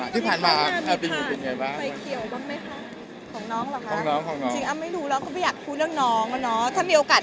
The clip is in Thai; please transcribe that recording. ที่ผ่านมาที่ผ่านมาปีหมู่เป็นยังไงบ้าง